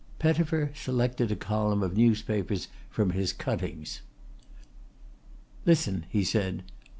Pettifer selected a column of newspaper from his cuttings. "Listen," he said.